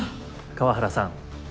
河原さん。